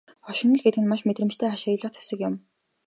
Хошигнол гэдэг нь маш мэдрэмжтэй ашиглах зэвсэг юм.